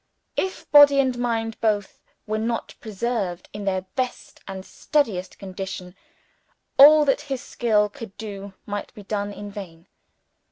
If body and mind both were not preserved in their best and steadiest condition, all that his skill could do might be done in vain.